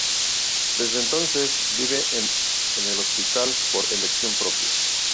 Desde entonces, vive en el hospital por elección propia.